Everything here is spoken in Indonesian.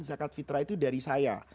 zakat fitrah itu dari saya